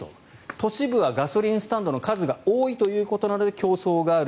都市部はガソリンスタンドの数が多いということなので競争がある。